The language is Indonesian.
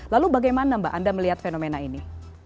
lalu bagaimana mbak anda melihat fenomena ini